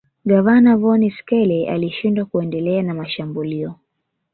Gavana von Schele alishindwa kuendelea na mashambulio